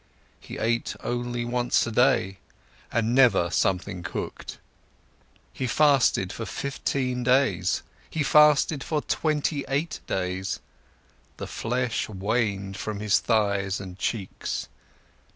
He ate only once a day, and never something cooked. He fasted for fifteen days. He fasted for twenty eight days. The flesh waned from his thighs and cheeks.